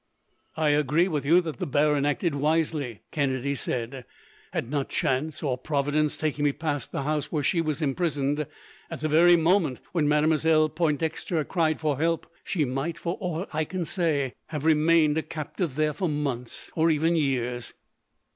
"I agree with you that the baron acted wisely," Kennedy said. "Had not chance, or Providence, taken me past the house where she was imprisoned, at the very moment when Mademoiselle Pointdexter cried for help, she might, for aught I can say, have remained a captive there for months, or even years."